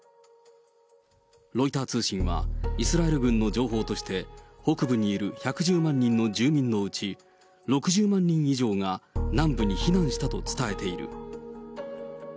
ロイター通信は、イスラエル軍の情報として、北部にいる１１０万人の住民のうち、６０万人以上が南部に避難したと伝えている。